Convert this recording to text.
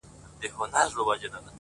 • چي د عقل فکر لاس پکښي تړلی,